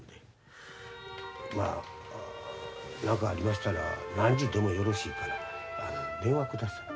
まあ何かありましたら何時でもよろしいから電話下さい。